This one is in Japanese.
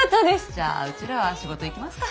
じゃあうちらは仕事行きますか。